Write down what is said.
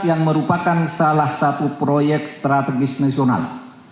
yang merupakan salah satu proyek strategis nasional